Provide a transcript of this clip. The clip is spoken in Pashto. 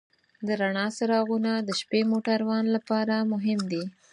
د رڼا څراغونه د شپې موټروان لپاره مهم دي.